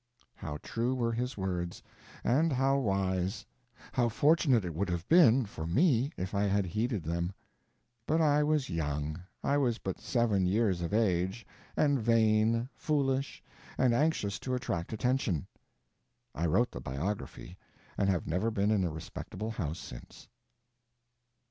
How true were his words, and how wise! How fortunate it would have been for me if I had heeded them. But I was young, I was but seven years of age, and vain, foolish, and anxious to attract attention. I wrote the biography, and have never been in a respectable house since.